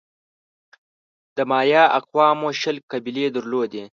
د مایا اقوامو شل قبیلې درلودې.